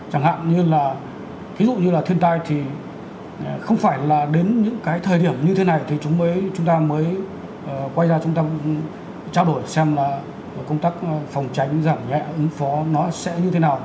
chẳng hạn như là ví dụ như là thiên tai thì không phải là đến những cái thời điểm như thế này thì chúng ta mới quay ra chúng ta trao đổi xem là công tác phòng tránh giảm nhẹ ứng phó nó sẽ như thế nào